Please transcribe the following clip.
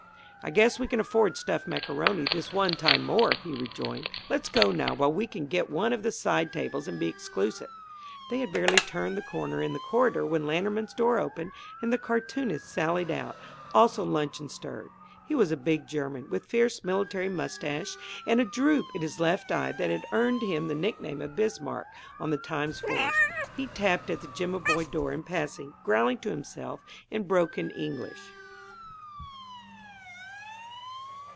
"I guess we can afford stuffed macaroni, this one time more," he rejoined. "Let's go now, while we can get one of the side tables and be exclusive." They had barely turned the corner in the corridor when Lantermann's door opened and the cartoonist sallied out, also luncheon stirred. He was a big German, with fierce military mustaches and a droop in his left eye that had earned him the nickname of "Bismarck" on the Times force. He tapped at the Jimaboy door in passing, growling to himself in broken English.